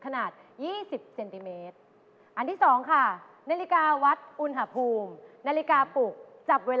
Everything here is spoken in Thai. นิดนึงออกมาให้อะครับ